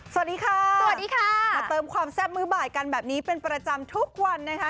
สวัสดีค่ะสวัสดีค่ะมาเติมความแซ่บมือบ่ายกันแบบนี้เป็นประจำทุกวันนะคะ